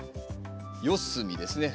四隅ですね